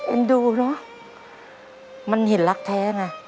ดูเนอะมันเห็นรักแท้ไง